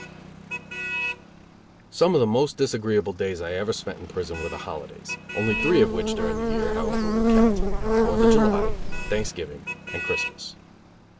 _ Some of the most disagreeable days I ever spent in prison were the holidays, only three of which during the year, however, were kept Fourth of July, Thanksgiving and Christmas.